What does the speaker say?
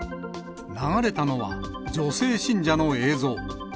流れたのは、女性信者の映像。